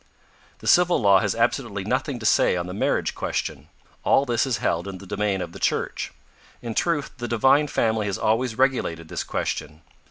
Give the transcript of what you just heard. The civil law has absolutely nothing to say on the marriage question. All this is held in the domain of the Church. In truth, the Divine Family has always regulated this question.